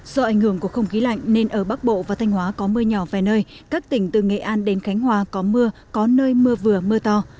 do ảnh hưởng của không khí lạnh nên ở bắc bộ và thanh hóa có mưa nhỏ về nơi các tỉnh từ nghệ an đến khánh hòa có mưa có nơi mưa vừa mưa to